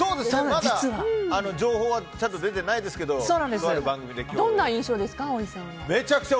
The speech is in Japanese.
まだ情報はちゃんと出てないですけどどんな印象ですか？